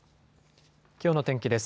きょうの天気です。